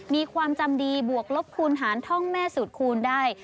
มีความจำดีบวกลบคูณหารท่องแม่สูตรคูณได้